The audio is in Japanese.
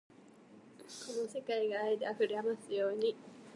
この世界が愛で溢れますように